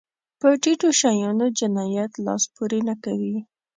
په ټيټو شیانو جنایت لاس پورې نه کوي.